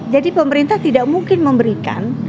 jadi pemerintah tidak mungkin memberikan